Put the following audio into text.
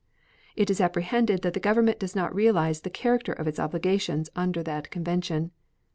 It is apprehended that that Government does not realize the character of its obligations under that convention.